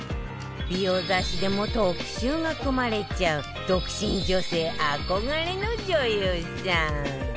美容雑誌でも特集が組まれちゃう独身女性憧れの女優さん。